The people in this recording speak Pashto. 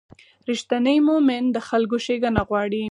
رښتینی مؤمن د خلکو ښېګڼه غواړي.